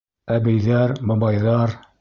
Әбейҙәр, бабайҙар